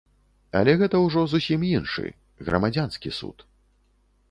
Але гэта ўжо зусім іншы, грамадзянскі суд.